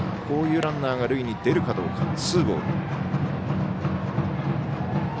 こういうランナーが塁に出るかどうか。